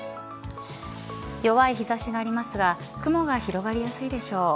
弱い日差しがありますが雲が広がりやすいでしょう。